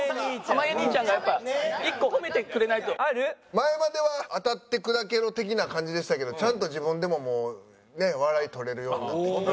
前までは当たって砕けろ的な感じでしたけどちゃんと自分でももうねっ笑い取れるようになってきて。